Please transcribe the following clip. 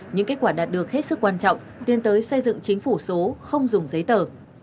những kết quả đạt được hết sức quan trọng tiến tới xây dựng chính phủ số không dùng giấy tờ